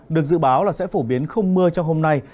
được dự báo là sẽ phổ biến không mưa trong hôm nay